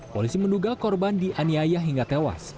polisi menduga korban dianiaya hingga tewas